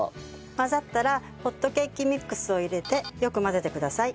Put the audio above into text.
混ざったらホットケーキミックスを入れてよく混ぜてください。